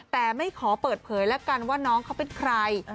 แต่ไม่ขอเปิดเผยแล้วกันว่าน้องเขาเป็นใคร